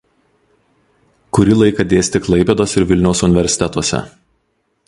Kurį laiką dėstė Klaipėdos ir Vilniaus universitetuose.